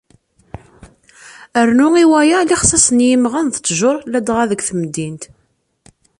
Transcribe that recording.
Rnu i waya, lexsas n yimɣan d ṭṭjur, ladɣa deg temdint.